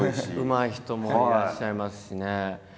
うまい人もいらっしゃいますしね。